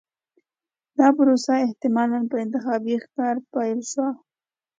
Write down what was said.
دا پروسه احتمالاً په انتخابي ښکار پیل شوه.